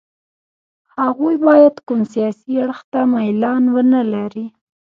هغوی باید کوم سیاسي اړخ ته میلان ونه لري.